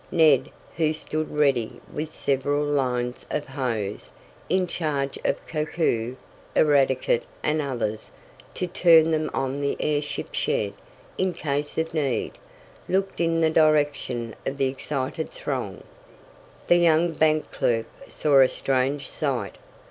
Ned, who stood ready with several lines of hose, in charge of Koku, Eradicate and others, to turn them on the airship shed, in case of need, looked in the direction of the excited throng. The young bank clerk saw a strange sight.